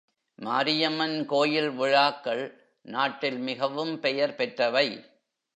மாரியம்மன் கோயில் விழாக்கள் நாட்டில் மிகவும் பெயர் பெற்றவை.